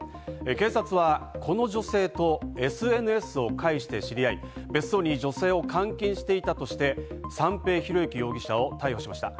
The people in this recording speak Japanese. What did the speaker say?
警察はこの女性とＳＮＳを介して知り合い、別荘に女性を監禁していたとして、三瓶博幸容疑者を逮捕しました。